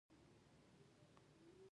لرغونپوهان د کښتۍ پاتې شونې ترلاسه کوي